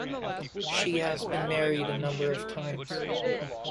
She has been married a number of times.